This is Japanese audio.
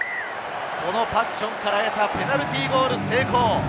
そのパッションから得たペナルティーゴール成功！